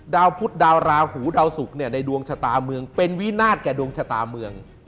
พุทธดาวราหูดาวสุกเนี่ยในดวงชะตาเมืองเป็นวินาศแก่ดวงชะตาเมือง